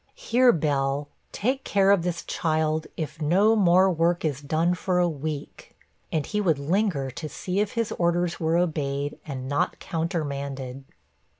Here, Bell, take care of this child, if no more work is done for a week.' And he would linger to see if his orders were obeyed, and not countermanded.